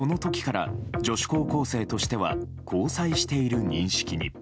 この時から女子高校生としては交際している認識に。